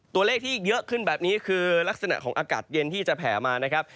ตัวเลขที่เยอะขึ้นแบบนี้คือลักษณะของอากาศเย็นที่จะแผ่มานะครับ